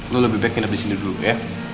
lo lebih baik tidur disini dulu ya